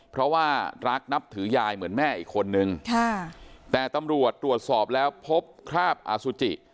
เพราะว่ารักนับถือยายเหมือนแม่อีกคนนึงค่ะแต่ตำรวจตรวจสอบแล้วพบคราบอสุจิ